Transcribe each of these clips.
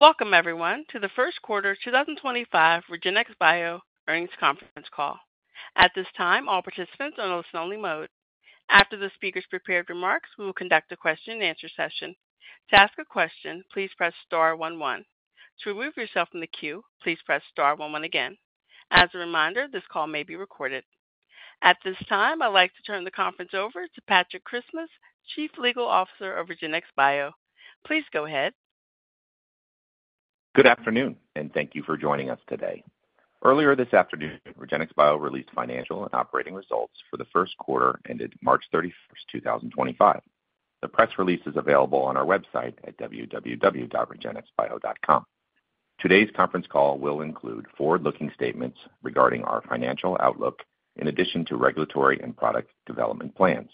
Welcome, everyone, to the first quarter 2025 REGENXBIO earnings conference call. At this time, all participants are in listen-only mode. After the speaker's prepared remarks, we will conduct a question-and-answer session. To ask a question, please press star one one. To remove yourself from the queue, please press star one one again. As a reminder, this call may be recorded. At this time, I'd like to turn the conference over to Patrick Christmas, Chief Legal Officer of REGENXBIO. Please go ahead. Good afternoon, and thank you for joining us today. Earlier this afternoon, REGENXBIO released financial and operating results for the first quarter ended March 31, 2025. The press release is available on our website at www.regenxbio.com. Today's conference call will include forward-looking statements regarding our financial outlook in addition to regulatory and product development plans.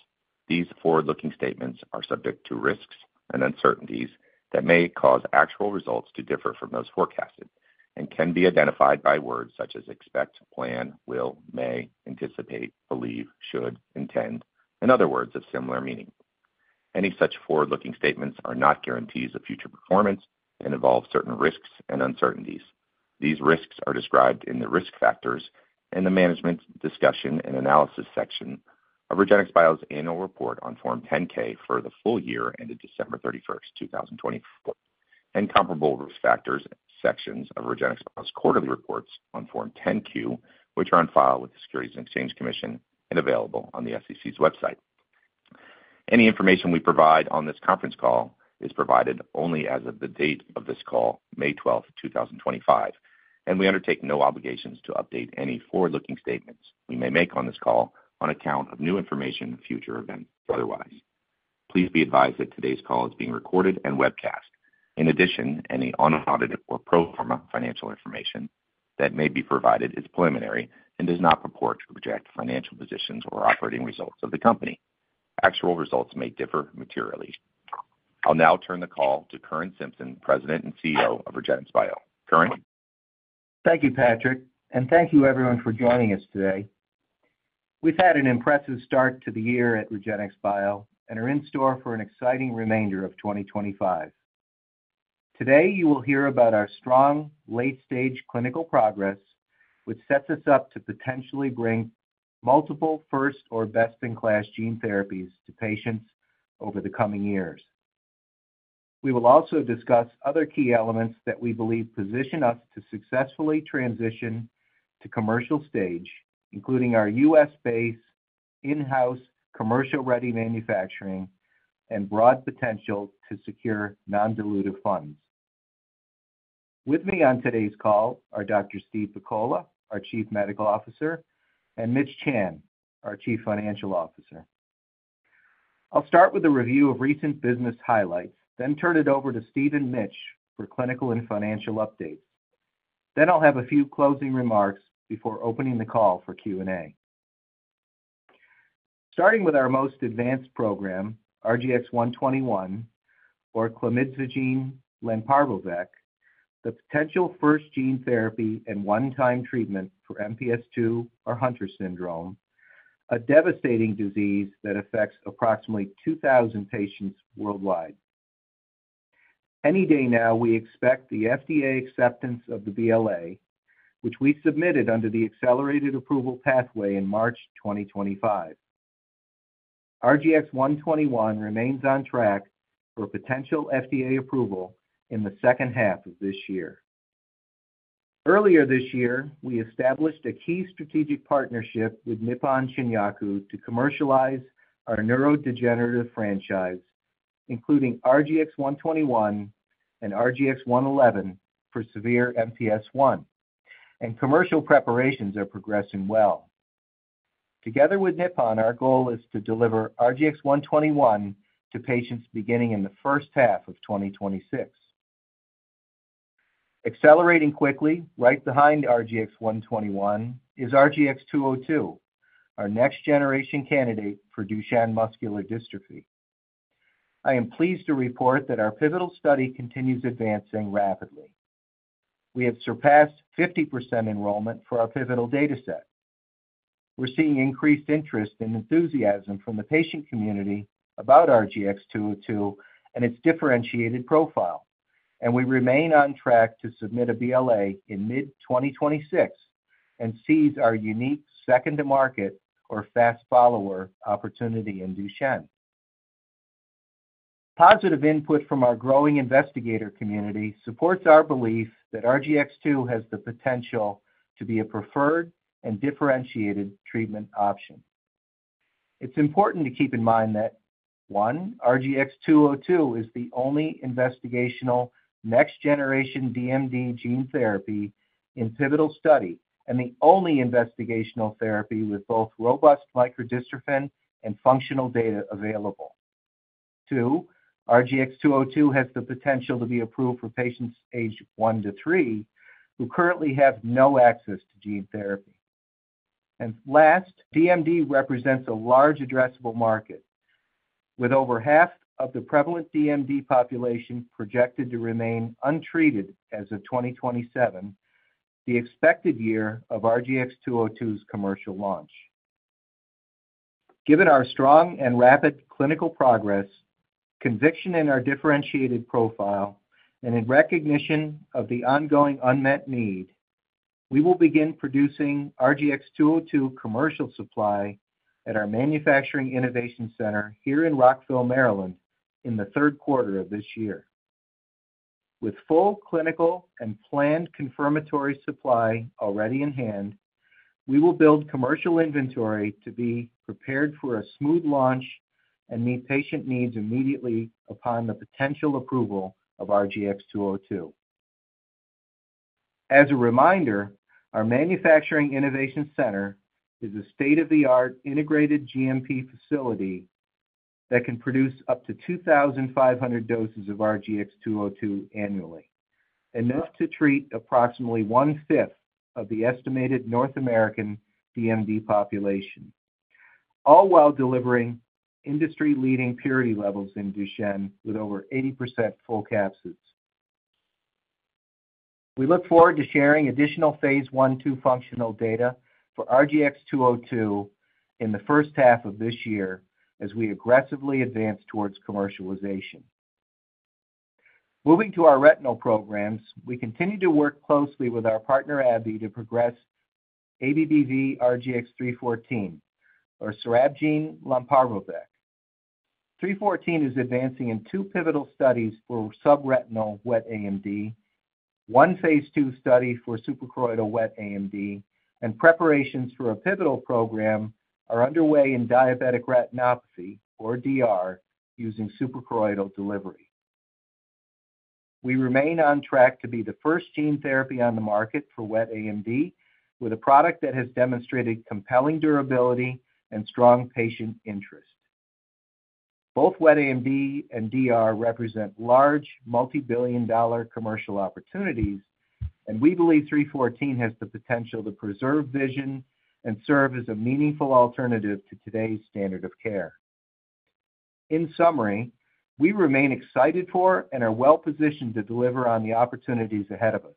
These forward-looking statements are subject to risks and uncertainties that may cause actual results to differ from those forecasted and can be identified by words such as expect, plan, will, may, anticipate, believe, should, intend, in other words, of similar meaning. Any such forward-looking statements are not guarantees of future performance and involve certain risks and uncertainties. These risks are described in the risk factors and the management discussion and analysis section of REGENXBIO's annual report on Form 10-K for the full year ended December 31st, 2024, and comparable risk factors sections of REGENX's quarterly reports on Form 10-Q, which are on file with the Securities and Exchange Commission and available on the SEC's website. Any information we provide on this conference call is provided only as of the date of this call, May 12, 2025, and we undertake no obligations to update any forward-looking statements we may make on this call on account of new information and future events otherwise. Please be advised that today's call is being recorded and webcast. In addition, any unaudited or pro forma financial information that may be provided is preliminary and does not purport to project financial positions or operating results of the company. Actual results may differ materially. I'll now turn the call to Curran Simpson, President and CEO of REGENXBIO. Curran. Thank you, Patrick, and thank you, everyone, for joining us today. We've had an impressive start to the year at REGENXBIO and are in store for an exciting remainder of 2025. Today, you will hear about our strong late-stage clinical progress, which sets us up to potentially bring multiple first or best-in-class gene therapies to patients over the coming years. We will also discuss other key elements that we believe position us to successfully transition to commercial stage, including our U.S.-based in-house commercial-ready manufacturing and broad potential to secure non-dilutive funds. With me on today's call are Dr. Steve Pakola, our Chief Medical Officer, and Mitch Chan, our Chief Financial Officer. I'll start with a review of recent business highlights, then turn it over to Steve and Mitch for clinical and financial updates. Then I'll have a few closing remarks before opening the call for Q&A. Starting with our most advanced program, RGX-121, or clemidzagene lemparvovec, the potential first gene therapy and one-time treatment for MPS II or Hunter syndrome, a devastating disease that affects approximately 2,000 patients worldwide. Any day now, we expect the FDA acceptance of the BLA, which we submitted under the accelerated approval pathway in March 2025. RGX-121 remains on track for potential FDA approval in the second half of this year. Earlier this year, we established a key strategic partnership with Nippon Shinyaku to commercialize our neurodegenerative franchise, including RGX-121 and RGX-111 for severe MPS I, and commercial preparations are progressing well. Together with Nippon, our goal is to deliver RGX-121 to patients beginning in the first half of 2026. Accelerating quickly, right behind RGX-121, is RGX-202, our next-generation candidate for Duchenne muscular dystrophy. I am pleased to report that our pivotal study continues advancing rapidly. We have surpassed 50% enrollment for our pivotal dataset. We're seeing increased interest and enthusiasm from the patient community about RGX-202 and its differentiated profile, and we remain on track to submit a BLA in mid-2026 and seize our unique second-to-market or fast-follower opportunity in Duchenne. Positive input from our growing investigator community supports our belief that RGX-202 has the potential to be a preferred and differentiated treatment option. It's important to keep in mind that, one, RGX-202 is the only investigational next-generation DMD gene therapy in pivotal study and the only investigational therapy with both robust microdystrophin and functional data available. Two, RGX-202 has the potential to be approved for patients aged one to three who currently have no access to gene therapy. DMD represents a large addressable market, with over half of the prevalent DMD population projected to remain untreated as of 2027, the expected year of RGX-202's commercial launch. Given our strong and rapid clinical progress, conviction in our differentiated profile, and in recognition of the ongoing unmet need, we will begin producing RGX-202 commercial supply at our Manufacturing Innovation Center here in Rockville, Maryland, in the third quarter of this year. With full clinical and planned confirmatory supply already in hand, we will build commercial inventory to be prepared for a smooth launch and meet patient needs immediately upon the potential approval of RGX-202. As a reminder, our Manufacturing Innovation Center is a state-of-the-art integrated GMP facility that can produce up to 2,500 doses of RGX-202 annually, enough to treat approximately one-fifth of the estimated North American DMD population, all while delivering industry-leading purity levels in Duchenne with over 80% full capsules. We look forward to sharing additional phase I-to-functional data for RGX-202 in the first half of this year as we aggressively advance towards commercialization. Moving to our retinal programs, we continue to work closely with our partner AbbVie to progress ABBV-RGX-314, or cerabgene lemparvovec. 314 is advancing in two pivotal studies for subretinal wet AMD, one phase II study for suprachoroidal wet AMD, and preparations for a pivotal program are underway in diabetic retinopathy, or DR, using suprachoroidal delivery. We remain on track to be the first gene therapy on the market for wet AMD with a product that has demonstrated compelling durability and strong patient interest. Both wet AMD and DR represent large multi-billion-dollar commercial opportunities, and we believe 314 has the potential to preserve vision and serve as a meaningful alternative to today's standard of care. In summary, we remain excited for and are well-positioned to deliver on the opportunities ahead of us.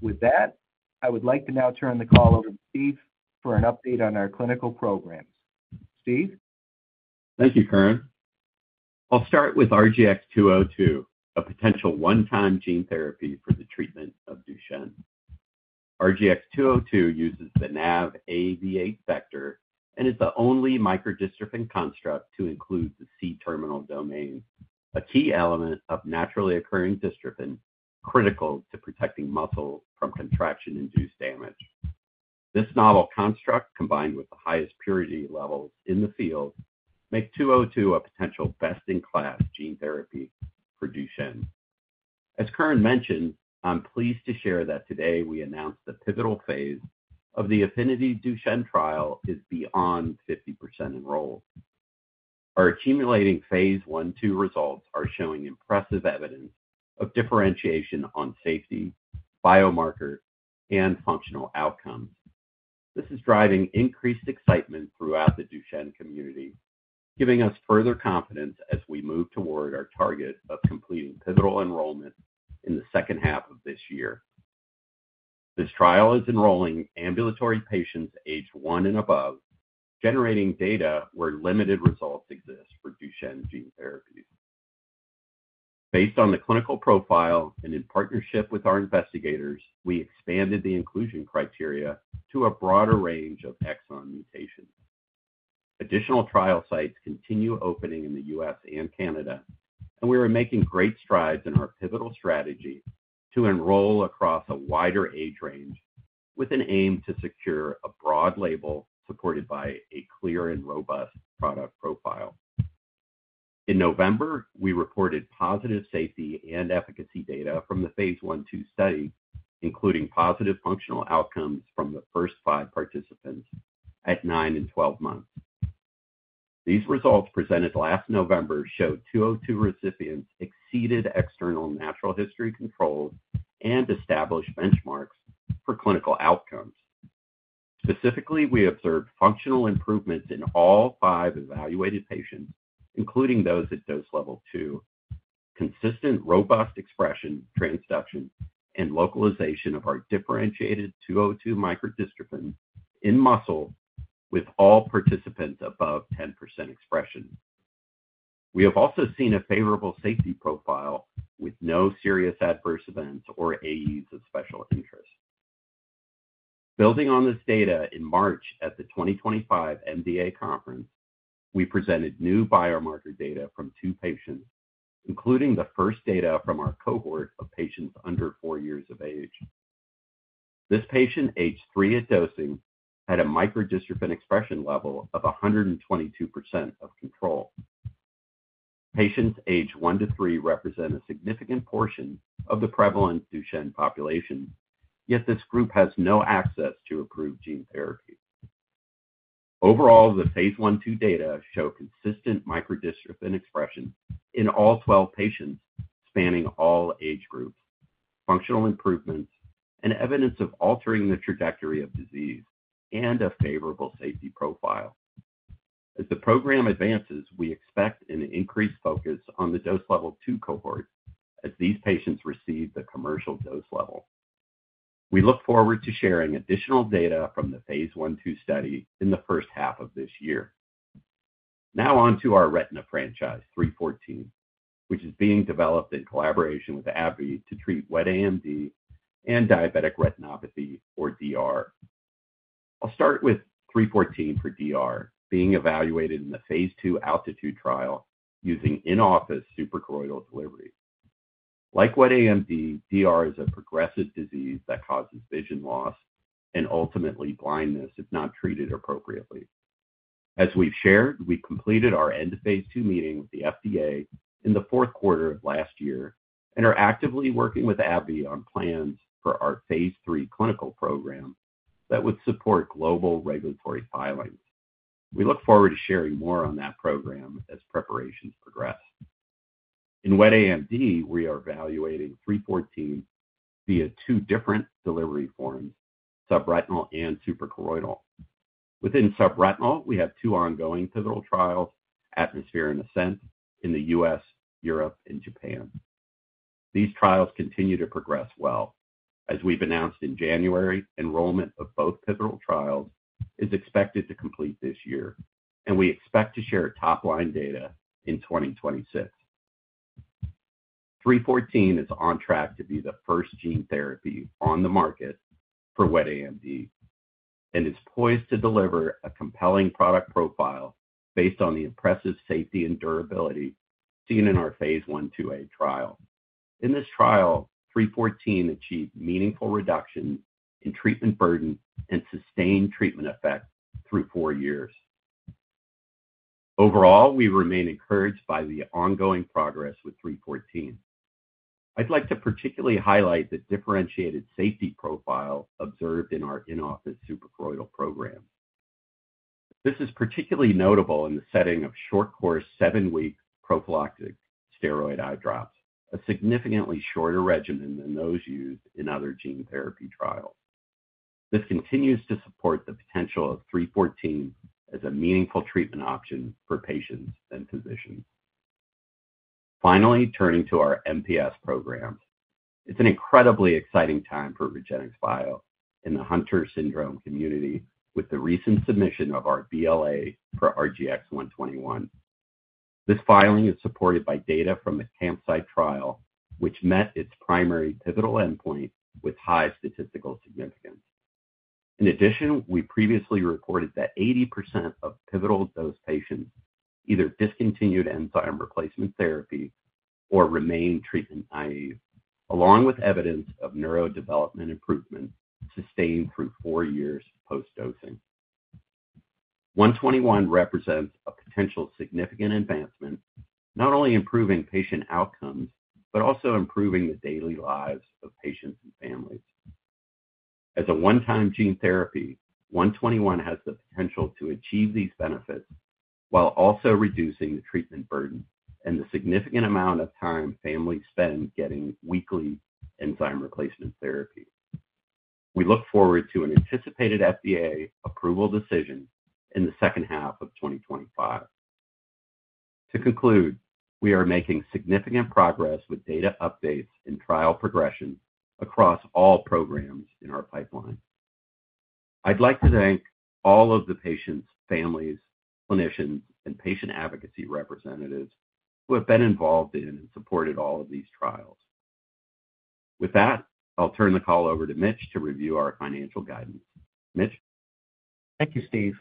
With that, I would like to now turn the call over to Steve for an update on our clinical programs. Steve? Thank you, Curran. I'll start with RGX-202, a potential one-time gene therapy for the treatment of Duchenne. RGX-202 uses the NAV AAV8 vector and is the only microdystrophin construct to include the C-terminal domain, a key element of naturally occurring dystrophin critical to protecting muscle from contraction-induced damage. This novel construct, combined with the highest purity levels in the field, makes 202 a potential best-in-class gene therapy for Duchenne. As Curran mentioned, I'm pleased to share that today we announced the pivotal phase of the Affinity Duchenne trial is beyond 50% enrolled. Our accumulating phase one-to-results are showing impressive evidence of differentiation on safety, biomarker, and functional outcomes. This is driving increased excitement throughout the Duchenne community, giving us further confidence as we move toward our target of completing pivotal enrollment in the second half of this year. This trial is enrolling ambulatory patients aged one and above, generating data where limited results exist for Duchenne gene therapies. Based on the clinical profile and in partnership with our investigators, we expanded the inclusion criteria to a broader range of exon mutations. Additional trial sites continue opening in the U.S. and Canada, and we are making great strides in our pivotal strategy to enroll across a wider age range with an aim to secure a broad label supported by a clear and robust product profile. In November, we reported positive safety and efficacy data from the phase one-to-two study, including positive functional outcomes from the first five participants at nine and twelve months. These results presented last November showed 202 recipients exceeded external natural history controls and established benchmarks for clinical outcomes. Specifically, we observed functional improvements in all five evaluated patients, including those at dose level two, consistent robust expression, transduction, and localization of our differentiated 202 microdystrophin in muscle with all participants above 10% expression. We have also seen a favorable safety profile with no serious adverse events or AEs of special interest. Building on this data, in March at the 2025 MDA conference, we presented new biomarker data from two patients, including the first data from our cohort of patients under four years of age. This patient, age three at dosing, had a microdystrophin expression level of 122% of control. Patients age one to three represent a significant portion of the prevalent Duchenne population, yet this group has no access to approved gene therapy. Overall, the phase one-to-two data show consistent microdystrophin expression in all 12 patients spanning all age groups, functional improvements, and evidence of altering the trajectory of disease and a favorable safety profile. As the program advances, we expect an increased focus on the dose level two cohorts as these patients receive the commercial dose level. We look forward to sharing additional data from the phase one-to-two study in the first half of this year. Now on to our retina franchise, 314, which is being developed in collaboration with AbbVie to treat wet AMD and diabetic retinopathy, or DR. I'll start with 314 for DR, being evaluated in the phase two ALTITUDE trial using in-office suprachoroidal delivery. Like wet AMD, DR is a progressive disease that causes vision loss and ultimately blindness if not treated appropriately. As we've shared, we completed our end-to-phase two meeting with the FDA in the fourth quarter of last year and are actively working with AbbVie on plans for our phase three clinical program that would support global regulatory filings. We look forward to sharing more on that program as preparations progress. In wet AMD, we are evaluating 314 via two different delivery forms, subretinal and suprachoroidal. Within subretinal, we have two ongoing pivotal trials, Atmosphere and Ascent, in the U.S., Europe, and Japan. These trials continue to progress well. As we've announced in January, enrollment of both pivotal trials is expected to complete this year, and we expect to share top-line data in 2026. 314 is on track to be the first gene therapy on the market for wet AMD and is poised to deliver a compelling product profile based on the impressive safety and durability seen in our phase 1/2a trial. In this trial, 314 achieved meaningful reduction in treatment burden and sustained treatment effect through four years. Overall, we remain encouraged by the ongoing progress with 314. I'd like to particularly highlight the differentiated safety profile observed in our in-office suprachoroidal program. This is particularly notable in the setting of short-course seven-week prophylactic steroid eye drops, a significantly shorter regimen than those used in other gene therapy trials. This continues to support the potential of 314 as a meaningful treatment option for patients and physicians. Finally, turning to our MPS programs, it's an incredibly exciting time for REGENXBIO in the Hunter syndrome community with the recent submission of our BLA for RGX-121. This filing is supported by data from the Campsite trial, which met its primary pivotal endpoint with high statistical significance. In addition, we previously reported that 80% of pivotal dose patients either discontinued enzyme replacement therapy or remained treatment naive, along with evidence of neurodevelopment improvement sustained through four years post-dosing. 121 represents a potential significant advancement, not only improving patient outcomes but also improving the daily lives of patients and families. As a one-time gene therapy, 121 has the potential to achieve these benefits while also reducing the treatment burden and the significant amount of time families spend getting weekly enzyme replacement therapy. We look forward to an anticipated FDA approval decision in the second half of 2025. To conclude, we are making significant progress with data updates and trial progression across all programs in our pipeline. I'd like to thank all of the patients, families, clinicians, and patient advocacy representatives who have been involved in and supported all of these trials. With that, I'll turn the call over to Mitch to review our financial guidance. Mitch? Thank you, Steve.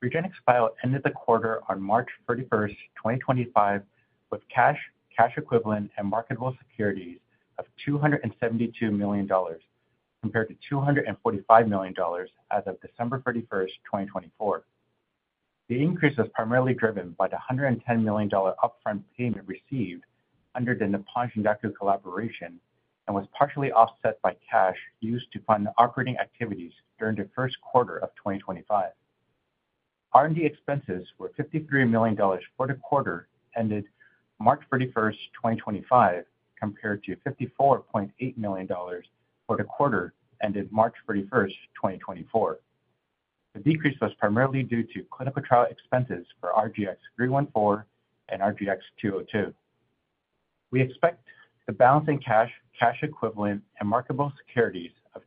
REGENXBIO ended the quarter on March 31st, 2025, with cash, cash equivalent, and marketable securities of $272 million, compared to $245 million as of December 31st, 2024. The increase was primarily driven by the $110 million upfront payment received under the Nippon Shinyaku collaboration and was partially offset by cash used to fund operating activities during the first quarter of 2025. R&D expenses were $53 million for the quarter ended March 31, 2025, compared to $54.8 million for the quarter ended March 31st, 2024. The decrease was primarily due to clinical trial expenses for ABBV-RGX-314 and RGX-202. We expect the balance in cash, cash equivalent, and marketable securities of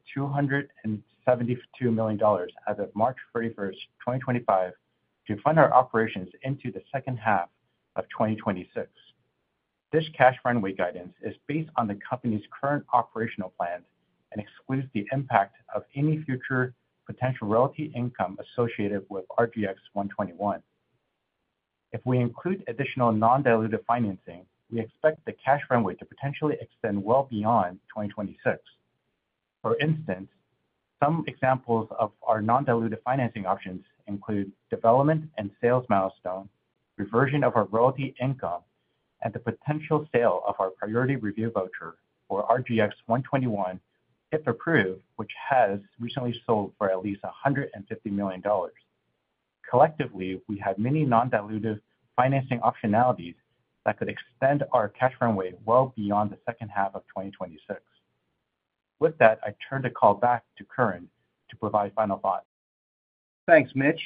$272 million as of March 31st, 2025, to fund our operations into the second half of 2026. This cash runway guidance is based on the company's current operational plans and excludes the impact of any future potential royalty income associated with RGX-121. If we include additional non-dilutive financing, we expect the cash runway to potentially extend well beyond 2026. For instance, some examples of our non-dilutive financing options include development and sales milestones, reversion of our royalty income, and the potential sale of our priority review voucher for RGX-121, which has recently sold for at least $150 million. Collectively, we have many non-dilutive financing optionalities that could extend our cash runway well beyond the second half of 2026. With that, I turn the call back to Curran to provide final thoughts. Thanks, Mitch.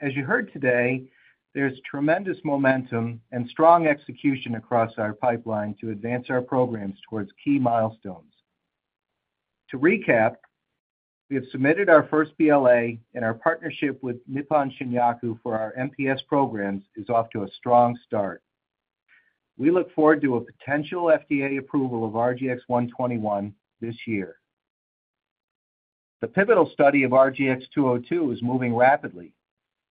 As you heard today, there's tremendous momentum and strong execution across our pipeline to advance our programs towards key milestones. To recap, we have submitted our first BLA, and our partnership with Nippon Shinyaku for our MPS programs is off to a strong start. We look forward to a potential FDA approval of RGX-121 this year. The pivotal study of RGX-202 is moving rapidly,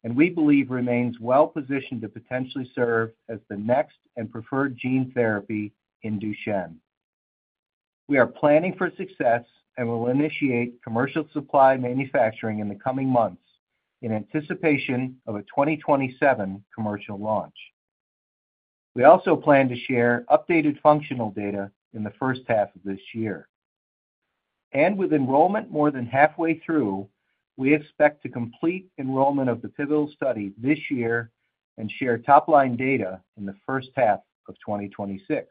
and we believe it remains well-positioned to potentially serve as the next and preferred gene therapy in Duchenne. We are planning for success and will initiate commercial supply manufacturing in the coming months in anticipation of a 2027 commercial launch. We also plan to share updated functional data in the first half of this year. With enrollment more than halfway through, we expect to complete enrollment of the pivotal study this year and share top-line data in the first half of 2026.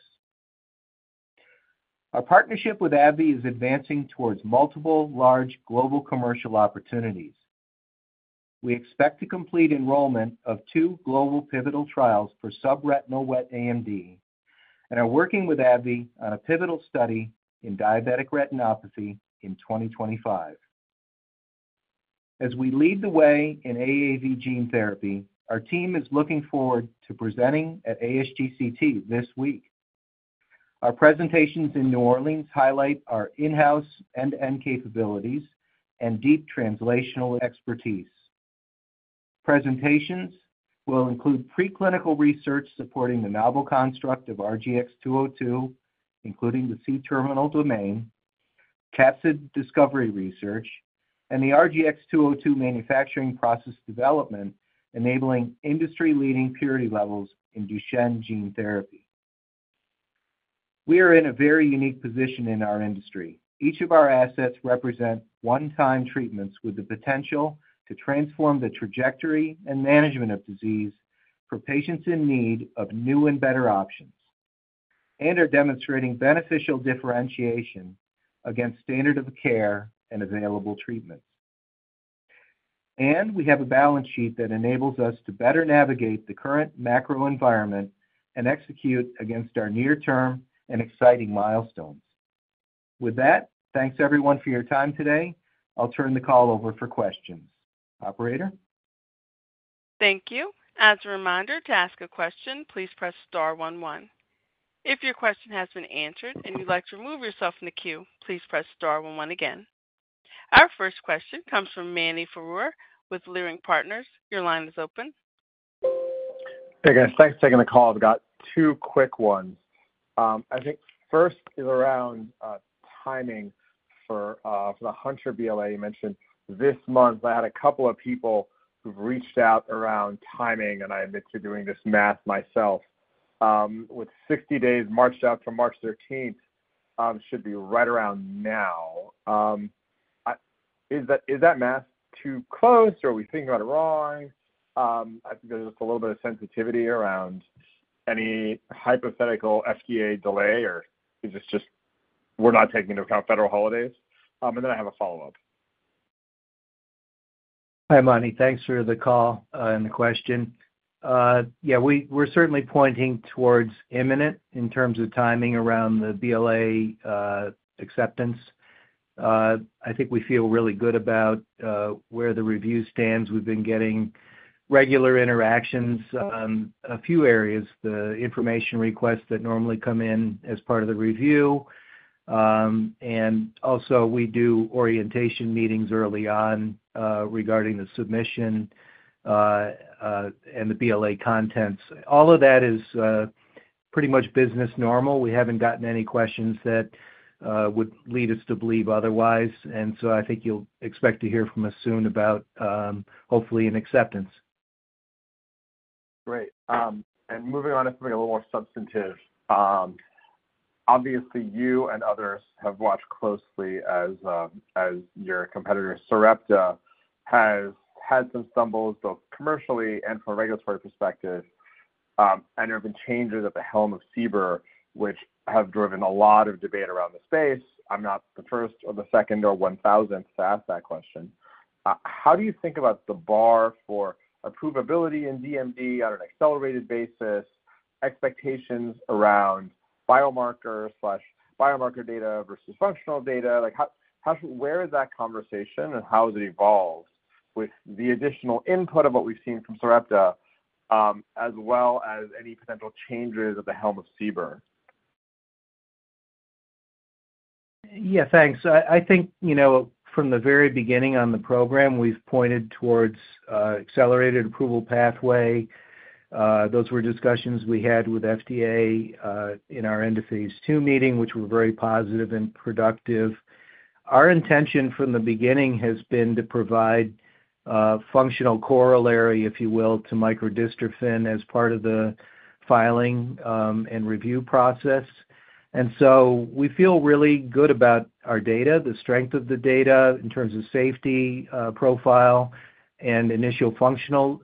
Our partnership with AbbVie is advancing towards multiple large global commercial opportunities. We expect to complete enrollment of two global pivotal trials for subretinal wet AMD and are working with AbbVie on a pivotal study in diabetic retinopathy in 2025. As we lead the way in AAV Gene therapy, our team is looking forward to presenting at ASGCT this week. Our presentations in New Orleans highlight our in-house end-to-end capabilities and deep translational expertise. Presentations will include preclinical research supporting the malleable construct of RGX-202, including the C-terminal domain, capsid discovery research, and the RGX-202 manufacturing process development, enabling industry-leading purity levels in Duchenne gene therapy. We are in a very unique position in our industry. Each of our assets represent one-time treatments with the potential to transform the trajectory and management of disease for patients in need of new and better options and are demonstrating beneficial differentiation against standard of care and available treatments. We have a balance sheet that enables us to better navigate the current macro environment and execute against our near-term and exciting milestones. With that, thanks everyone for your time today. I'll turn the call over for questions. Operator? Thank you. As a reminder, to ask a question, please press star one one. If your question has been answered and you'd like to remove yourself from the queue, please press star one one again. Our first question comes from Mani Foroohar with Leerink Partners. Your line is open. Hey, guys. Thanks for taking the call. I've got two quick ones. I think first is around timing for the Hunter BLA you mentioned this month. I had a couple of people who've reached out around timing, and I admit to doing this math myself. With 60 days marched out from March 13th, it should be right around now. Is that math too close, or are we thinking about it wrong? I think there's just a little bit of sensitivity around any hypothetical FDA delay, or is this just we're not taking into account federal holidays? I have a follow-up. Hi, Mani. Thanks for the call and the question. Yeah, we're certainly pointing towards imminent in terms of timing around the BLA acceptance. I think we feel really good about where the review stands. We've been getting regular interactions in a few areas, the information requests that normally come in as part of the review. Also, we do orientation meetings early on regarding the submission and the BLA contents. All of that is pretty much business normal. We haven't gotten any questions that would lead us to believe otherwise. I think you'll expect to hear from us soon about, hopefully, an acceptance. Great. Moving on to something a little more substantive. Obviously, you and others have watched closely as your competitor, Sarepta, has had some stumbles both commercially and from a regulatory perspective, and there have been changes at the helm of CBER, which have driven a lot of debate around the space. I'm not the first or the second or 1,000th to ask that question. How do you think about the bar for approvability in DMD on an accelerated basis? Expectations around biomarker/biomarker data versus functional data. Where is that conversation, and how has it evolved with the additional input of what we've seen from Sarepta, as well as any potential changes at the helm of CBER? Yeah, thanks. I think from the very beginning on the program, we've pointed towards an accelerated approval pathway. Those were discussions we had with the FDA in our end-of-phase two meeting, which were very positive and productive. Our intention from the beginning has been to provide functional corollary, if you will, to microdystrophin as part of the filing and review process. We feel really good about our data, the strength of the data in terms of safety profile and initial functional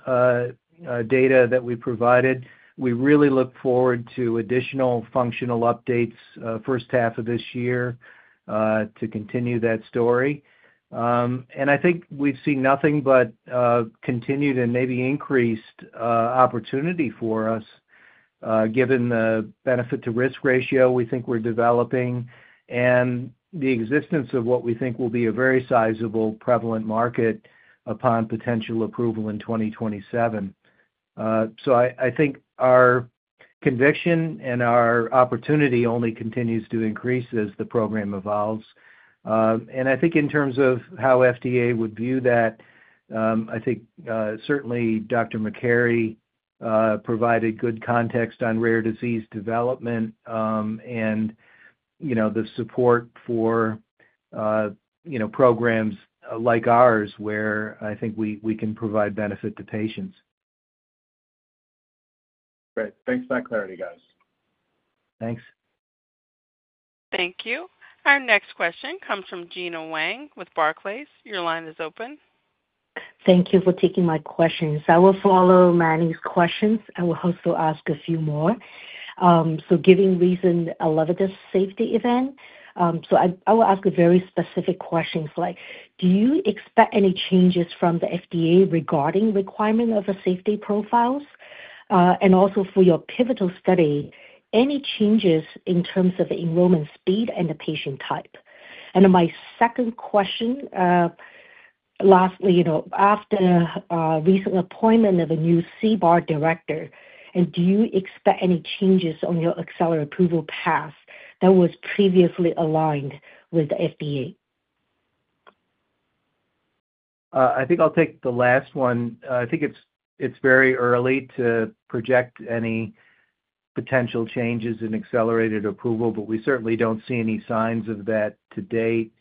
data that we provided. We really look forward to additional functional updates the first half of this year to continue that story. I think we've seen nothing but continued and maybe increased opportunity for us, given the benefit-to-risk ratio we think we're developing and the existence of what we think will be a very sizable prevalent market upon potential approval in 2027. I think our conviction and our opportunity only continues to increase as the program evolves. I think in terms of how FDA would view that, I think certainly Dr. Makary provided good context on rare disease development and the support for programs like ours where I think we can provide benefit to patients. Great. Thanks for that clarity, guys. Thanks. Thank you. Our next question comes from Gena Wang with Barclays. Your line is open. Thank you for taking my questions. I will follow Mani's questions. I will also ask a few more. Giving recent elevator safety event, I will ask a very specific question, like, do you expect any changes from the FDA regarding requirement of safety profiles? Also, for your pivotal study, any changes in terms of enrollment speed and the patient type? My second question, lastly, after recent appointment of a new CBAR director, do you expect any changes on your accelerated approval path that was previously aligned with the FDA? I think I'll take the last one. I think it's very early to project any potential changes in accelerated approval, but we certainly don't see any signs of that to date.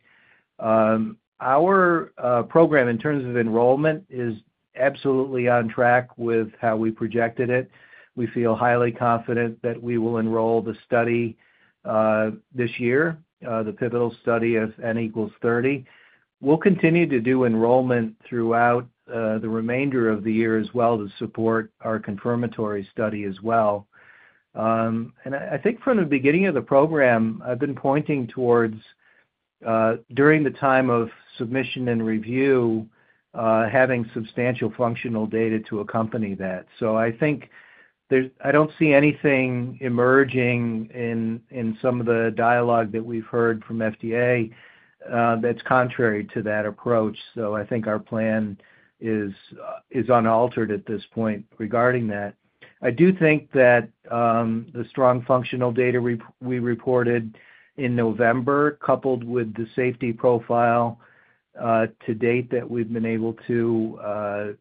Our program, in terms of enrollment, is absolutely on track with how we projected it. We feel highly confident that we will enroll the study this year, the pivotal study of N equals 30. We'll continue to do enrollment throughout the remainder of the year as well to support our confirmatory study as well. I think from the beginning of the program, I've been pointing towards during the time of submission and review, having substantial functional data to accompany that. I don't see anything emerging in some of the dialogue that we've heard from FDA that's contrary to that approach. I think our plan is unaltered at this point regarding that. I do think that the strong functional data we reported in November, coupled with the safety profile to date that we've been able to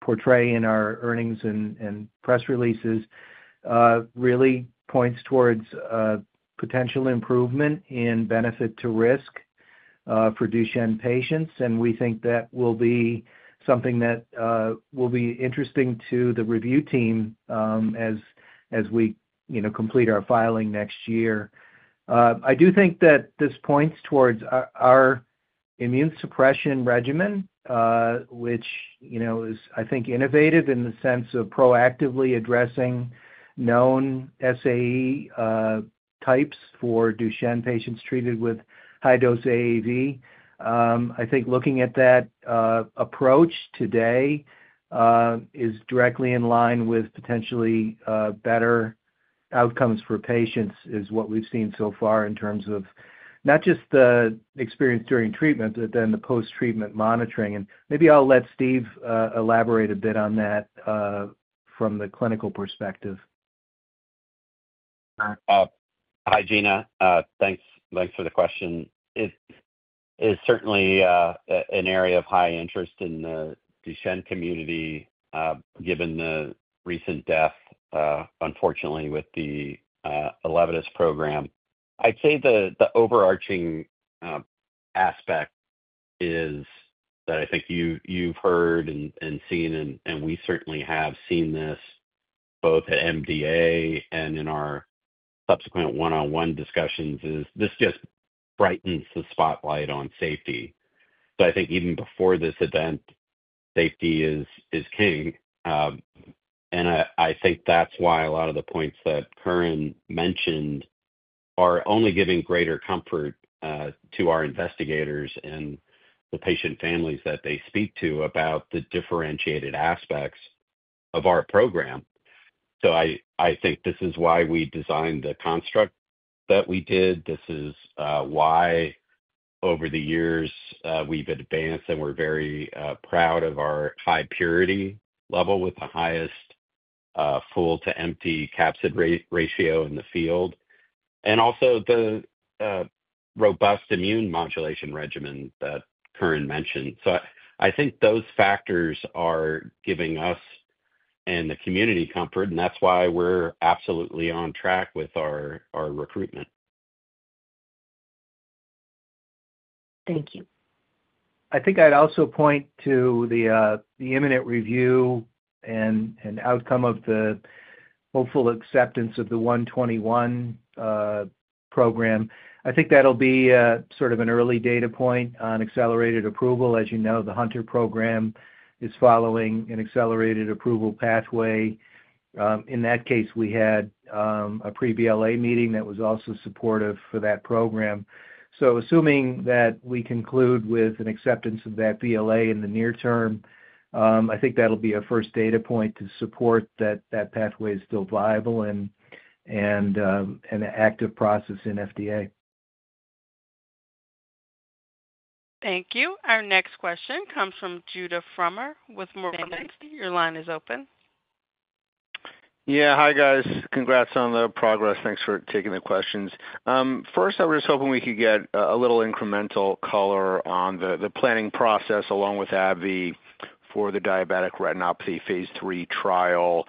portray in our earnings and press releases, really points towards potential improvement in benefit-to-risk for Duchenne patients. We think that will be something that will be interesting to the review team as we complete our filing next year. I do think that this points towards our immune suppression regimen, which is, I think, innovative in the sense of proactively addressing known SAE types for Duchenne patients treated with high-dose AAV. I think looking at that approach today is directly in line with potentially better outcomes for patients, is what we've seen so far in terms of not just the experience during treatment, but then the post-treatment monitoring. Maybe I'll let Steve elaborate a bit on that from the clinical perspective. Hi, Gena. Thanks for the question. It is certainly an area of high interest in the Duchenne community given the recent death, unfortunately, with the Elevatus program. I'd say the overarching aspect is that I think you've heard and seen, and we certainly have seen this both at MDA and in our subsequent one-on-one discussions, is this just brightens the spotlight on safety. I think even before this event, safety is king. I think that's why a lot of the points that Curran mentioned are only giving greater comfort to our investigators and the patient families that they speak to about the differentiated aspects of our program. I think this is why we designed the construct that we did. This is why over the years we've advanced, and we're very proud of our high purity level with the highest full-to-empty capsid ratio in the field, and also the robust immune modulation regimen that Curran mentioned. I think those factors are giving us and the community comfort, and that's why we're absolutely on track with our recruitment. Thank you. I think I'd also point to the imminent review and outcome of the hopeful acceptance of the 121 program. I think that'll be sort of an early data point on accelerated approval. As you know, the Hunter program is following an accelerated approval pathway. In that case, we had a pre-BLA meeting that was also supportive for that program. Assuming that we conclude with an acceptance of that BLA in the near term, I think that'll be a first data point to support that that pathway is still viable and an active process in the FDA. Thank you. Our next question comes from Juddah Frommer with Morgan Stanley. Your line is open. Yeah. Hi, guys. Congrats on the progress. Thanks for taking the questions. First, I was hoping we could get a little incremental color on the planning process along with AbbVie for the diabetic retinopathy phase three trial,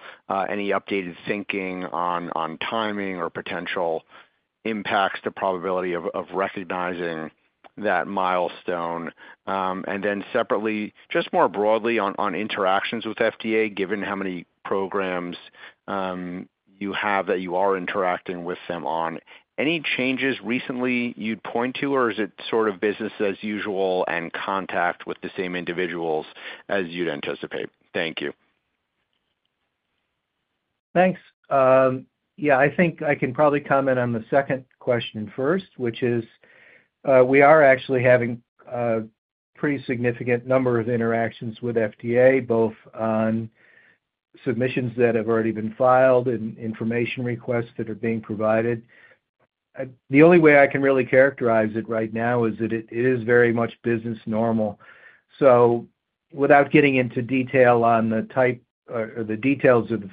any updated thinking on timing or potential impacts, the probability of recognizing that milestone. Then separately, just more broadly on interactions with FDA, given how many programs you have that you are interacting with them on, any changes recently you'd point to, or is it sort of business as usual and contact with the same individuals as you'd anticipate? Thank you. Thanks. Yeah, I think I can probably comment on the second question first, which is we are actually having a pretty significant number of interactions with FDA, both on submissions that have already been filed and information requests that are being provided. The only way I can really characterize it right now is that it is very much business normal. Without getting into detail on the type or the details of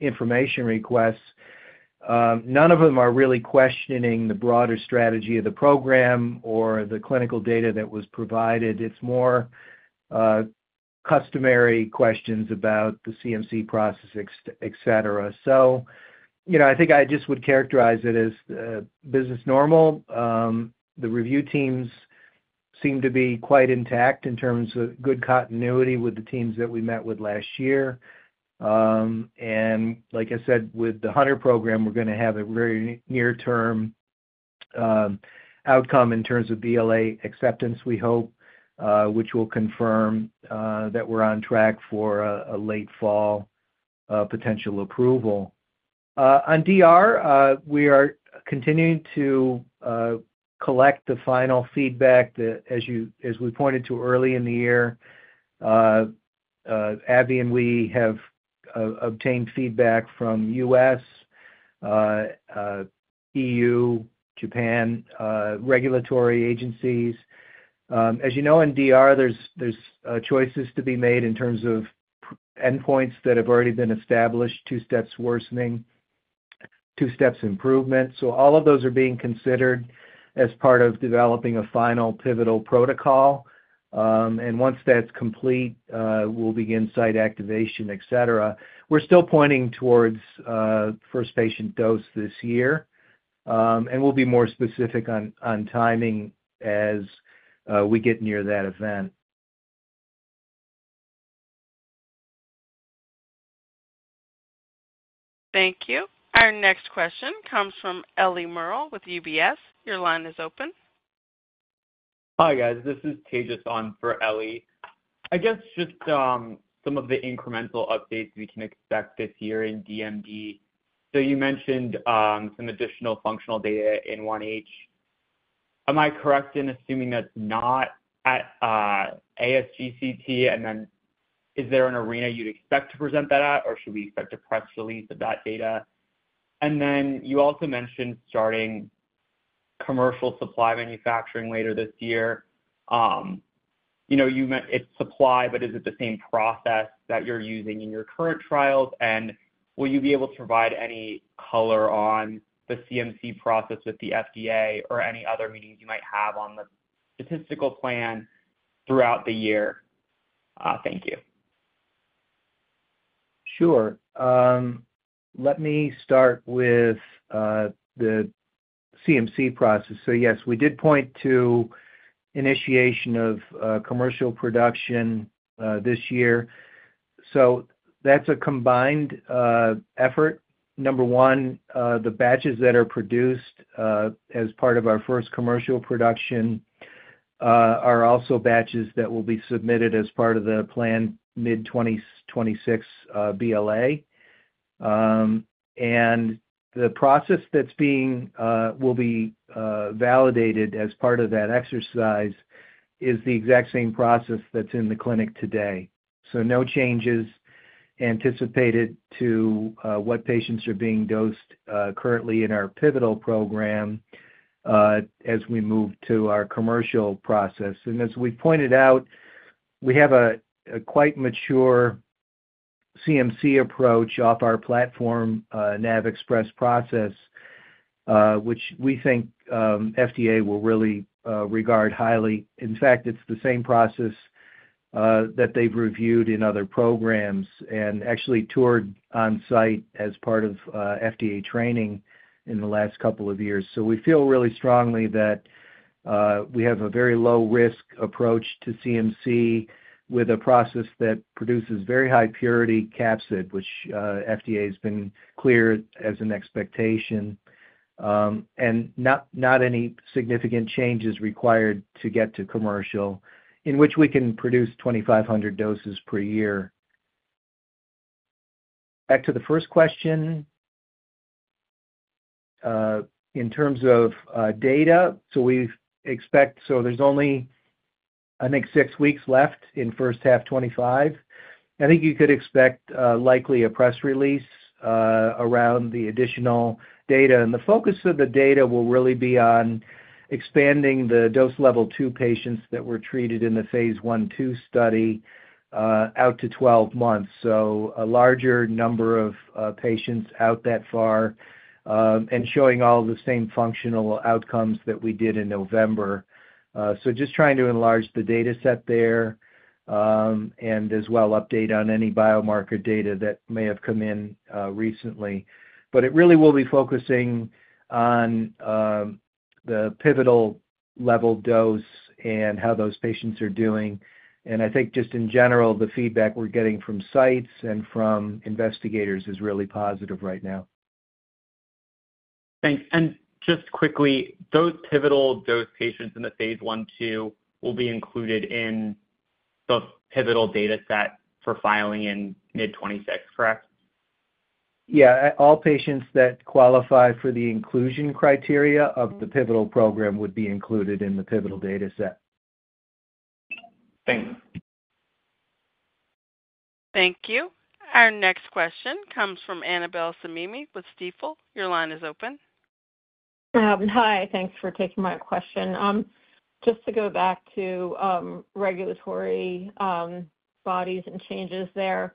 information requests, none of them are really questioning the broader strategy of the program or the clinical data that was provided. It is more customary questions about the CMC process, etc. I think I just would characterize it as business normal. The review teams seem to be quite intact in terms of good continuity with the teams that we met with last year. Like I said, with the Hunter program, we're going to have a very near-term outcome in terms of BLA acceptance, we hope, which will confirm that we're on track for a late-fall potential approval. On DR, we are continuing to collect the final feedback that, as we pointed to early in the year, AbbVie and we have obtained feedback from U.S., EU, Japan regulatory agencies. As you know, in DR, there's choices to be made in terms of endpoints that have already been established, two steps worsening, two steps improvement. All of those are being considered as part of developing a final pivotal protocol. Once that's complete, we'll begin site activation, etc. We're still pointing towards first patient dose this year, and we'll be more specific on timing as we get near that event. Thank you. Our next question comes from Ellie Merle with UBS. Your line is open. Hi, guys. This is Tejas on for Ellie. I guess just some of the incremental updates we can expect this year in DMD. You mentioned some additional functional data in 1H. Am I correct in assuming that's not at ASGCT? Is there an arena you'd expect to present that at, or should we expect a press release of that data? You also mentioned starting commercial supply manufacturing later this year. You meant it's supply, but is it the same process that you're using in your current trials? Will you be able to provide any color on the CMC process with the FDA or any other meetings you might have on the statistical plan throughout the year? Thank you. Sure. Let me start with the CMC process. Yes, we did point to initiation of commercial production this year. That is a combined effort. Number one, the batches that are produced as part of our first commercial production are also batches that will be submitted as part of the planned mid-2026 BLA. The process that will be validated as part of that exercise is the exact same process that is in the clinic today. No changes anticipated to what patients are being dosed currently in our pivotal program as we move to our commercial process. As we have pointed out, we have a quite mature CMC approach off our platform, NAVXpress process, which we think FDA will really regard highly. In fact, it is the same process that they have reviewed in other programs and actually toured on-site as part of FDA training in the last couple of years. We feel really strongly that we have a very low-risk approach to CMC with a process that produces very high purity capsid, which FDA has been clear as an expectation, and not any significant changes required to get to commercial, in which we can produce 2,500 doses per year. Back to the first question. In terms of data, there's only, I think, six weeks left in first half 2025. I think you could expect likely a press release around the additional data. The focus of the data will really be on expanding the dose-level 2 patients that were treated in the phase one-two study out to 12 months. A larger number of patients out that far and showing all the same functional outcomes that we did in November. Just trying to enlarge the data set there and as well update on any biomarker data that may have come in recently. It really will be focusing on the pivotal level dose and how those patients are doing. I think just in general, the feedback we're getting from sites and from investigators is really positive right now. Thanks. And just quickly, those pivotal dose patients in the phase I/II will be included in the pivotal data set for filing in mid-2026, correct? Yeah. All patients that qualify for the inclusion criteria of the pivotal program would be included in the pivotal data set. Thanks. Thank you. Our next question comes from Annabel Samimy with Stifel. Your line is open. Hi. Thanks for taking my question. Just to go back to regulatory bodies and changes there,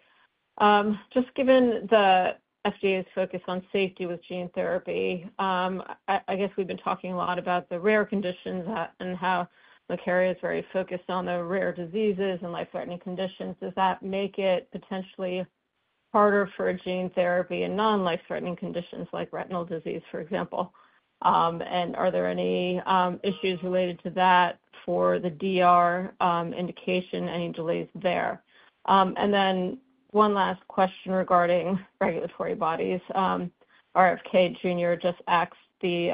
just given the FDA's focus on safety with gene therapy, I guess we've been talking a lot about the rare conditions and how the carrier is very focused on the rare diseases and life-threatening conditions. Does that make it potentially harder for gene therapy and non-life-threatening conditions like retinal disease, for example? Are there any issues related to that for the DR indication, any delays there? One last question regarding regulatory bodies. RFK Jr. just asked the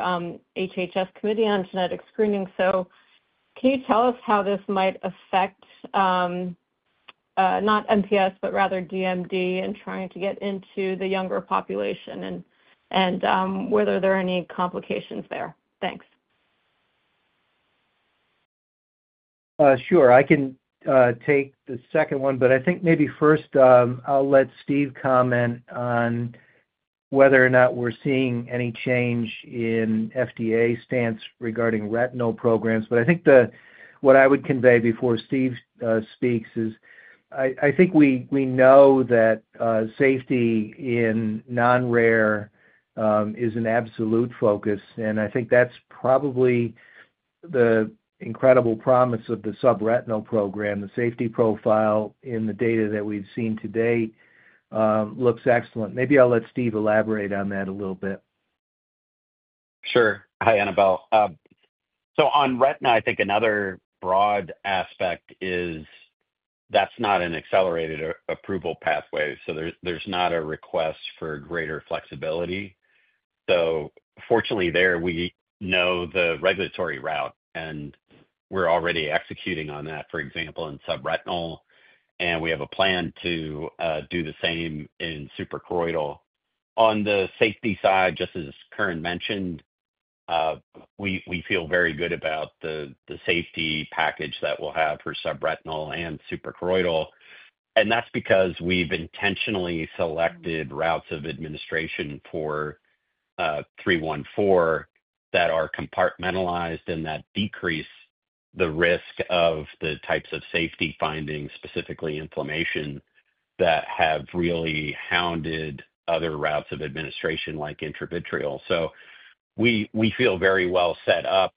HHS Committee on Genetic Screening. Can you tell us how this might affect not MPS, but rather DMD in trying to get into the younger population and whether there are any complications there? Thanks. Sure. I can take the second one, but I think maybe first I'll let Steve comment on whether or not we're seeing any change in FDA stance regarding retinal programs. I think what I would convey before Steve speaks is I think we know that safety in non-rare is an absolute focus. I think that's probably the incredible promise of the subretinal program. The safety profile in the data that we've seen today looks excellent. Maybe I'll let Steve elaborate on that a little bit. Sure. Hi, Annabel. On retina, I think another broad aspect is that's not an accelerated approval pathway. There is not a request for greater flexibility. Fortunately, there we know the regulatory route, and we're already executing on that, for example, in subretinal. We have a plan to do the same in suprachoroidal. On the safety side, just as Curran mentioned, we feel very good about the safety package that we'll have for subretinal and suprachoroidal. That's because we've intentionally selected routes of administration for 314 that are compartmentalized and that decrease the risk of the types of safety findings, specifically inflammation, that have really hounded other routes of administration like intravitreal. We feel very well set up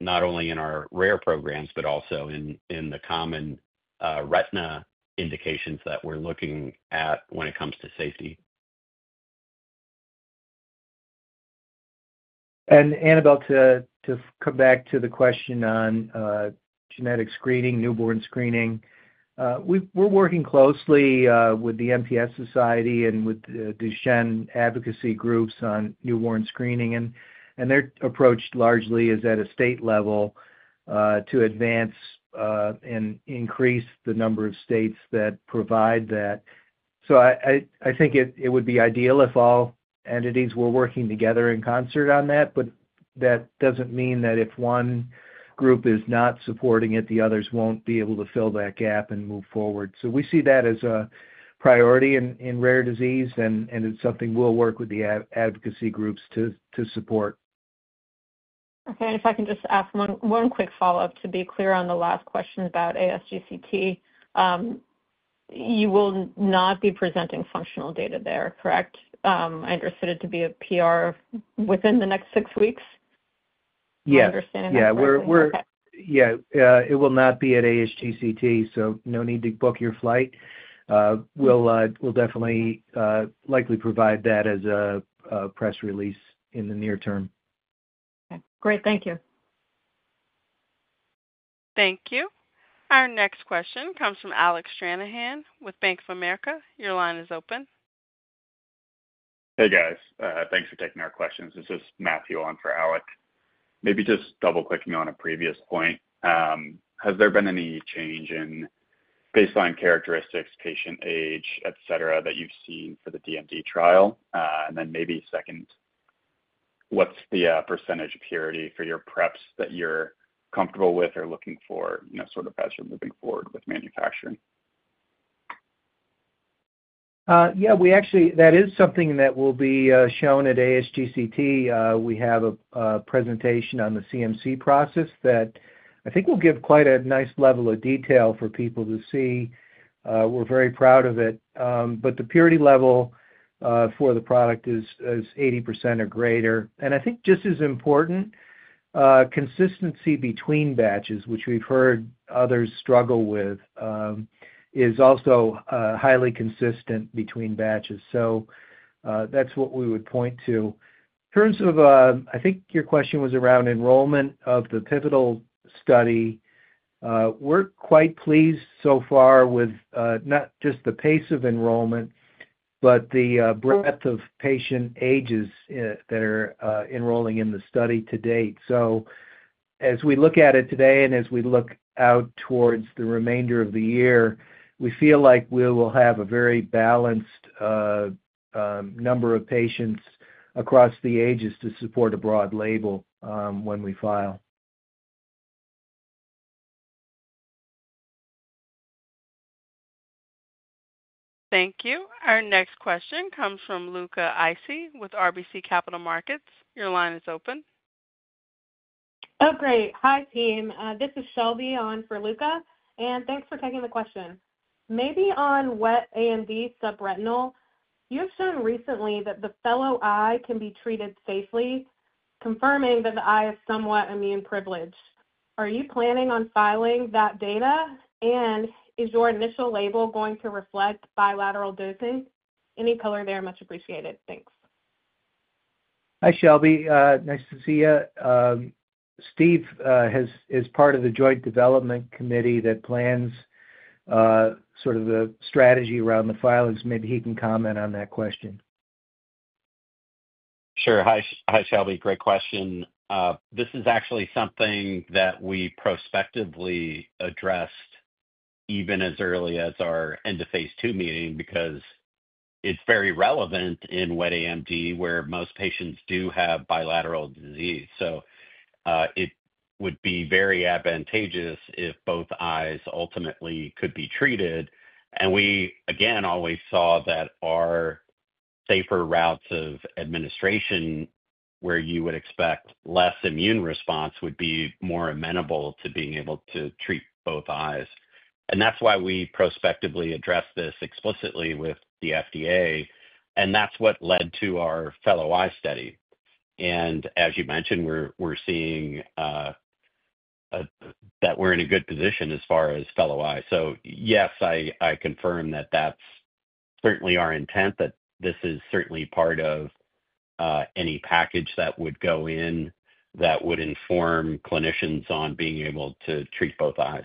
not only in our rare programs, but also in the common retina indications that we're looking at when it comes to safety. Annabel, to come back to the question on genetic screening, newborn screening, we're working closely with the MPS Society and with the Duchenne Advocacy Groups on newborn screening. Their approach largely is at a state level to advance and increase the number of states that provide that. I think it would be ideal if all entities were working together in concert on that. That does not mean that if one group is not supporting it, the others will not be able to fill that gap and move forward. We see that as a priority in rare disease, and it is something we will work with the advocacy groups to support. Okay. If I can just ask one quick follow-up to be clear on the last question about ASGCT, you will not be presenting functional data there, correct? I understood it to be a PR within the next six weeks. Is that understandable? Yeah. Yeah. It will not be at ASGCT, so no need to book your flight. We'll definitely likely provide that as a press release in the near term. Okay. Great. Thank you. Thank you. Our next question comes from Alec Shanahan with Bank of America. Your line is open. Hey, guys. Thanks for taking our questions. This is Matthew on for Alec. Maybe just double-clicking on a previous point. Has there been any change in baseline characteristics, patient age, etc., that you've seen for the DMD trial? Then maybe second, what's the percentage purity for your preps that you're comfortable with or looking for sort of as you're moving forward with manufacturing? Yeah. That is something that will be shown at ASGCT. We have a presentation on the CMC process that I think will give quite a nice level of detail for people to see. We're very proud of it. The purity level for the product is 80% or greater. I think just as important, consistency between batches, which we've heard others struggle with, is also highly consistent between batches. That is what we would point to. In terms of, I think your question was around enrollment of the pivotal study, we're quite pleased so far with not just the pace of enrollment, but the breadth of patient ages that are enrolling in the study to date. As we look at it today and as we look out towards the remainder of the year, we feel like we will have a very balanced number of patients across the ages to support a broad label when we file. Thank you. Our next question comes from Luca Issi with RBC Capital Markets. Your line is open. Oh, great. Hi, team. This is Shelby on for Luca. Thanks for taking the question. Maybe on wet AMD subretinal, you have shown recently that the fellow eye can be treated safely, confirming that the eye is somewhat immune privileged. Are you planning on filing that data? Is your initial label going to reflect bilateral dosing? Any color there? Much appreciated. Thanks. Hi, Shelby. Nice to see you. Steve is part of the joint development committee that plans sort of the strategy around the filings. Maybe he can comment on that question. Sure. Hi, Shelby. Great question. This is actually something that we prospectively addressed even as early as our end-of-phase II meeting because it's very relevant in wet AMD where most patients do have bilateral disease. It would be very advantageous if both eyes ultimately could be treated. We, again, always saw that our safer routes of administration, where you would expect less immune response, would be more amenable to being able to treat both eyes. That is why we prospectively addressed this explicitly with the FDA. That is what led to our fellow eye study. As you mentioned, we're seeing that we're in a good position as far as fellow eye. Yes, I confirm that that's certainly our intent, that this is certainly part of any package that would go in that would inform clinicians on being able to treat both eyes.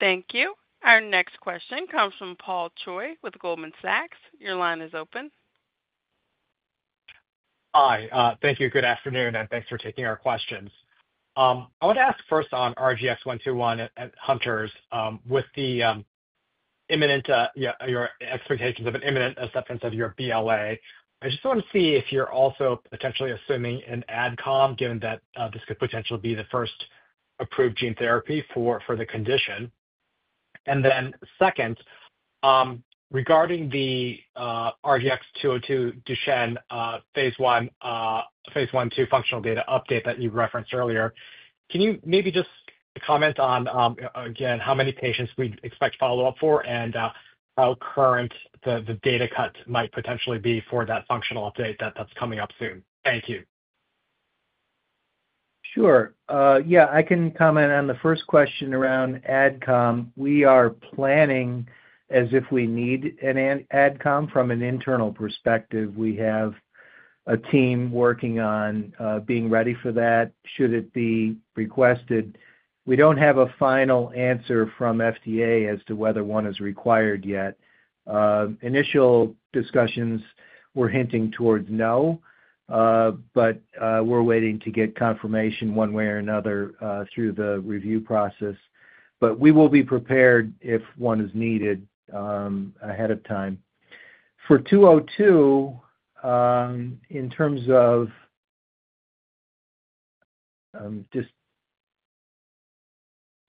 Thank you. Our next question comes from Paul Choi with Goldman Sachs. Your line is open. Hi. Thank you. Good afternoon. Thanks for taking our questions. I want to ask first on RGX-121 at Hunter's with the expectations of an imminent acceptance of your BLA. I just want to see if you're also potentially assuming an adcom, given that this could potentially be the first approved gene therapy for the condition. Second, regarding the RGX-202 Duchenne phase one-two functional data update that you referenced earlier, can you maybe just comment on, again, how many patients we'd expect follow-up for and how current the data cut might potentially be for that functional update that's coming up soon? Thank you. Sure. Yeah. I can comment on the first question around adcom. We are planning as if we need an adcom. From an internal perspective, we have a team working on being ready for that should it be requested. We do not have a final answer from FDA as to whether one is required yet. Initial discussions were hinting towards no, but we are waiting to get confirmation one way or another through the review process. We will be prepared if one is needed ahead of time. For 202, in terms of just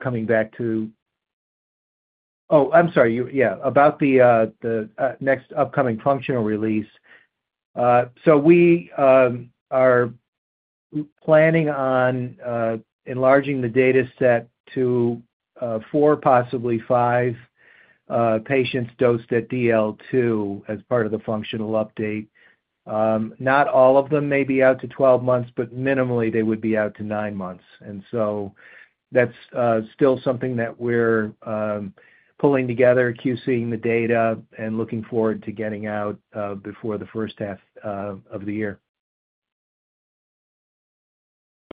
coming back to—oh, I am sorry. Yeah. About the next upcoming functional release. We are planning on enlarging the data set to four, possibly five patients dosed at DL2 as part of the functional update. Not all of them may be out to 12 months, but minimally, they would be out to 9 months. That's still something that we're pulling together, QCing the data, and looking forward to getting out before the first half of the year.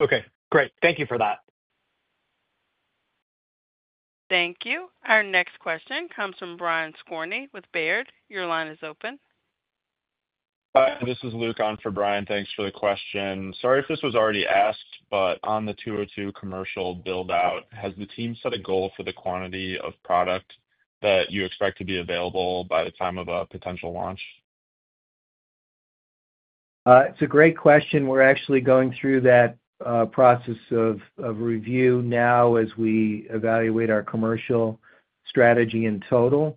Okay. Great. Thank you for that. Thank you. Our next question comes from Brian Scorney with Baird. Your line is open. This is Luke on for Brian. Thanks for the question. Sorry if this was already asked, but on the 202 commercial build-out, has the team set a goal for the quantity of product that you expect to be available by the time of a potential launch? It's a great question. We're actually going through that process of review now as we evaluate our commercial strategy in total.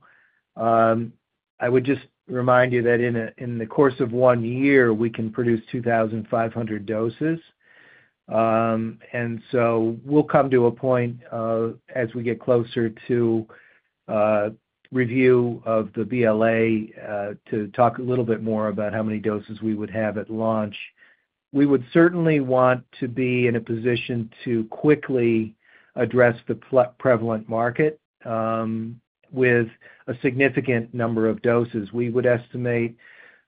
I would just remind you that in the course of one year, we can produce 2,500 doses. We will come to a point as we get closer to review of the BLA to talk a little bit more about how many doses we would have at launch. We would certainly want to be in a position to quickly address the prevalent market with a significant number of doses. We would estimate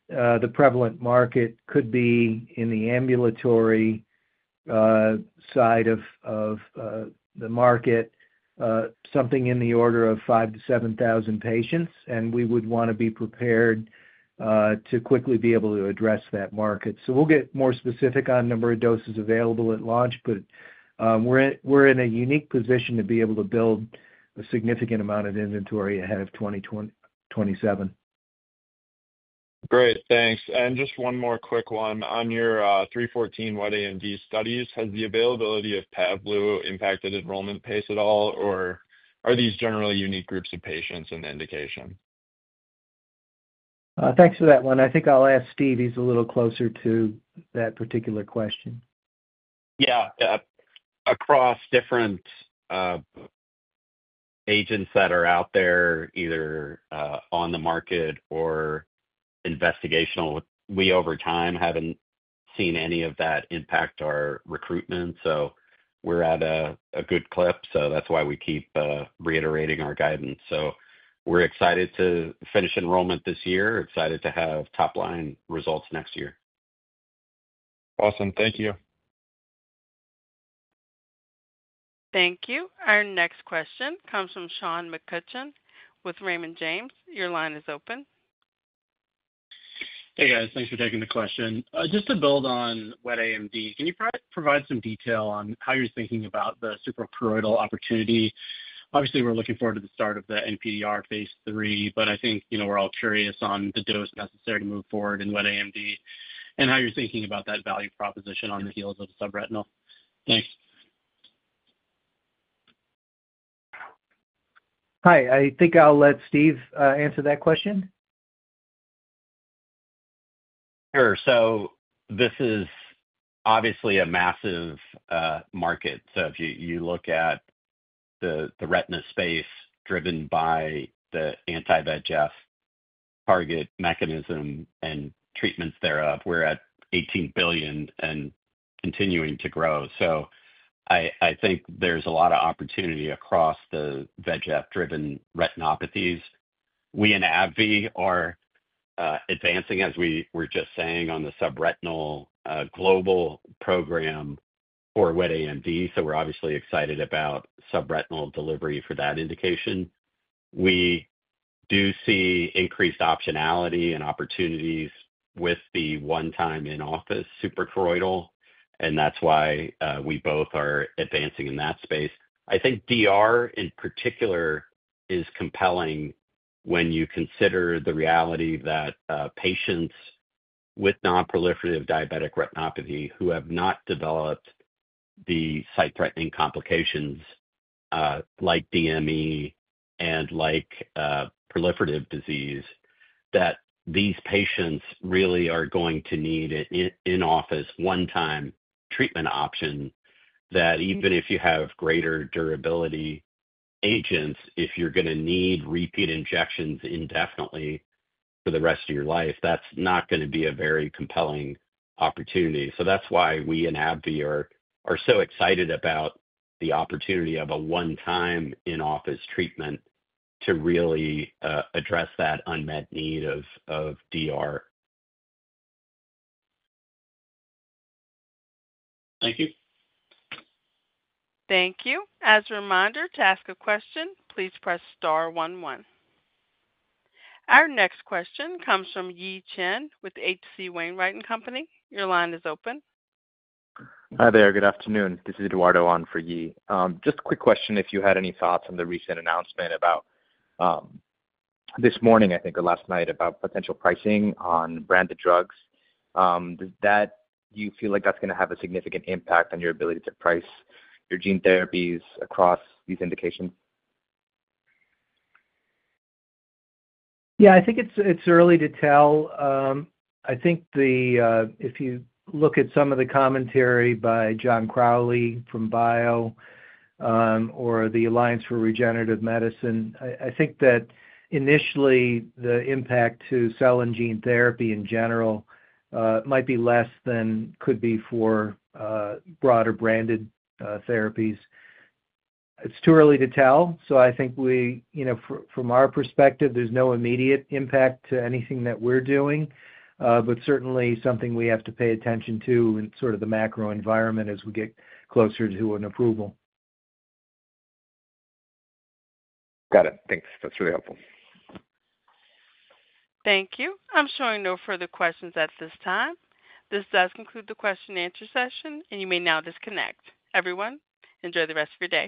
the prevalent market could be in the ambulatory side of the market, something in the order of 5,000-7,000 patients. We would want to be prepared to quickly be able to address that market. We'll get more specific on the number of doses available at launch, but we're in a unique position to be able to build a significant amount of inventory ahead of 2027. Great. Thanks. And just one more quick one. On your 314 wet AMD studies, has the availability of Pavlu impacted enrollment pace at all, or are these generally unique groups of patients an indication? Thanks for that one. I think I'll ask Steve. He's a little closer to that particular question. Yeah. Across different agents that are out there, either on the market or investigational, we over time haven't seen any of that impact our recruitment. We're at a good clip. That's why we keep reiterating our guidance. We're excited to finish enrollment this year. Excited to have top-line results next year. Awesome. Thank you. Thank you. Our next question comes from Sean McCutcheon with Raymond James. Your line is open. Hey, guys. Thanks for taking the question. Just to build on wet AMD, can you provide some detail on how you're thinking about the suprachoroidal opportunity? Obviously, we're looking forward to the start of the NPDR phase three, but I think we're all curious on the dose necessary to move forward in wet AMD and how you're thinking about that value proposition on the heels of subretinal. Thanks. Hi. I think I'll let Steve answer that question. Sure. This is obviously a massive market. If you look at the retina space driven by the anti-VEGF target mechanism and treatments thereof, we are at $18 billion and continuing to grow. I think there is a lot of opportunity across the VEGF-driven retinopathies. We in AbbVie are advancing, as we were just saying, on the subretinal global program for wet AMD. We are obviously excited about subretinal delivery for that indication. We do see increased optionality and opportunities with the one-time in-office suprachoroidal, and that is why we both are advancing in that space. I think DR in particular is compelling when you consider the reality that patients with non-proliferative diabetic retinopathy who have not developed the sight-threatening complications like DME and like proliferative disease, that these patients really are going to need an in-office one-time treatment option that even if you have greater durability agents, if you're going to need repeat injections indefinitely for the rest of your life, that's not going to be a very compelling opportunity. That is why we in AbbVie are so excited about the opportunity of a one-time in-office treatment to really address that unmet need of DR. Thank you. Thank you. As a reminder, to ask a question, please press star one one. Our next question comes from Yi Chen with HC Wainwright & Company. Your line is open. Hi there. Good afternoon. This is Eduardo on for Yi. Just a quick question if you had any thoughts on the recent announcement about this morning, I think, or last night about potential pricing on branded drugs. Do you feel like that's going to have a significant impact on your ability to price your gene therapies across these indications? Yeah. I think it's early to tell. I think if you look at some of the commentary by John Crowley from Bio or the Alliance for Regenerative Medicine, I think that initially, the impact to cell and gene therapy in general might be less than could be for broader branded therapies. It's too early to tell. I think from our perspective, there's no immediate impact to anything that we're doing, but certainly something we have to pay attention to in sort of the macro environment as we get closer to an approval. Got it. Thanks. That's really helpful. Thank you. I'm showing no further questions at this time. This does conclude the question-and-answer session, and you may now disconnect. Everyone, enjoy the rest of your day.